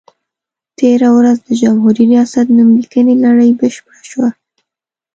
تېره ورځ د جمهوري ریاست نوم لیکنې لړۍ بشپړه شوه.